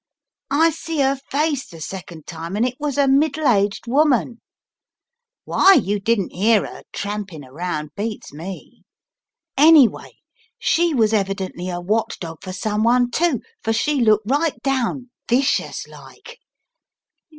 "I see 'er face the second time and it was a middle aged woman. Why you didn't 'ear 'er tramping around beats me. Any way, she was evidently a watchdog for someone, too, 208 The Riddle of the Purple Emperor for she looked right down vicious like.